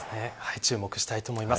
注目したいと思います。